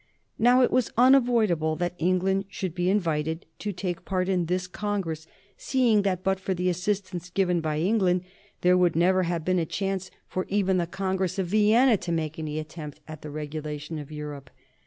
Now it was unavoidable that England should be invited to take part in this Congress, seeing that, but for the assistance given by England, there would never have been a chance for even the Congress of Vienna to make any attempt at the regulation of Europe.